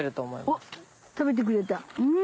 おっ食べてくれた。